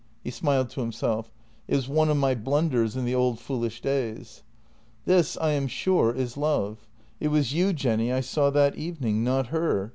He smiled to himself. " It was one of my blunders in the old foolish days. " This, I am sure, is love. It was you, Jenny, I saw that evening — not her.